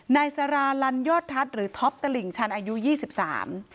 นายสาราลันยอดทัศน์หรือท็อปตลิ่งชันอายุยี่สิบสาม